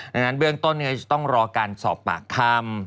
ดังนั้นเบื้องต้นจะต้องรอการสอบปากคำ